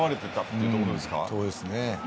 そうですね。